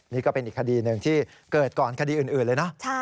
นี่ก็เป็นอีกคดีหนึ่งที่เกิดก่อนคดีอื่นเลยนะ